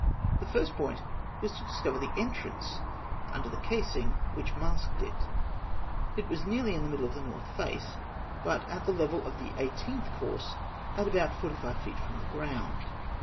The first point was to discover the entrance under the casing, which masked it. It was nearly in the middle of the north face (fig. 136), but at the level of the eighteenth course, at about forty five feet from the ground.